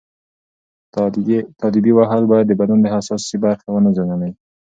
تاديبي وهل باید د بدن حساسې برخې ونه زیانمنوي.